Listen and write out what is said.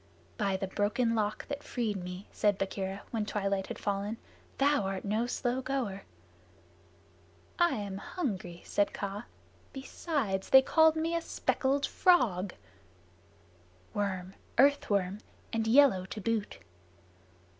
"By the Broken Lock that freed me," said Bagheera, when twilight had fallen, "thou art no slow goer!" "I am hungry," said Kaa. "Besides, they called me speckled frog." "Worm earth worm, and yellow to boot."